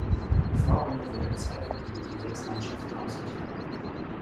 Die Vorrunde wurde in zwei Gruppen mit je sechs Mannschaften ausgetragen.